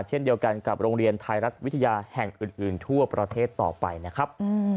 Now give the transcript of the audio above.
เช่นเดียวกันกับโรงเรียนไทยรัฐวิทยาแห่งอื่นทั่วประเทศต่อไปนะครับ